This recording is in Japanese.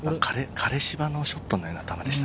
枯れ芝のショットのような球でした。